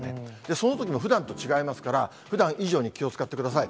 そのときもふだんと違いますから、ふだん以上に気を遣ってください。